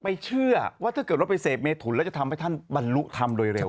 เชื่อว่าถ้าเกิดว่าไปเสพเมถุนแล้วจะทำให้ท่านบรรลุธรรมโดยเร็ว